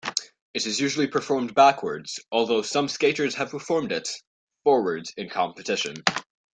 It is usually performed backwards, although some skaters have performed it forwards in competition.